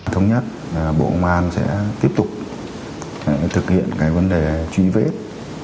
thống nhất bộ công an sẽ tiếp tục thực hiện cái vấn đề truy vết